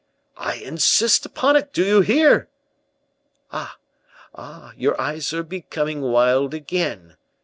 "I insist upon it, do you hear?" "Ah! ah! your eyes are becoming wild again.